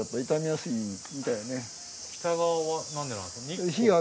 北側はなんでなんですか？